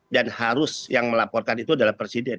dan harus yang melaporkan itu adalah presiden